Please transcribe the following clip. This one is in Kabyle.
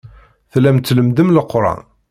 Tellam tlemmdem Leqran.